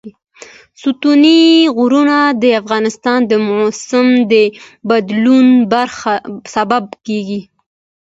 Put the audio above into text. ستوني غرونه د افغانستان د موسم د بدلون سبب کېږي.